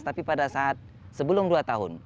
tapi pada saat sebelum dua tahun